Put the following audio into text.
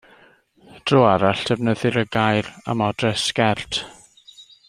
Dro arall, defnyddir y gair am odre sgert.